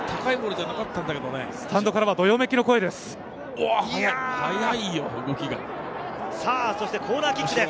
スタンドからはどよめきの声です。